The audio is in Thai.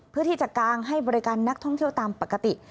เพื่อที่จะกางให้บริการนักท่องเที่ยวตามปกติ